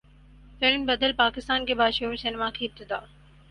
film بدل پاکستان کے باشعور سینما کی ابتدا